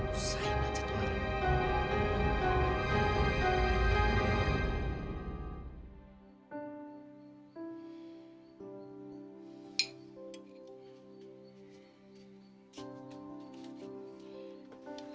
usahin aja tuhan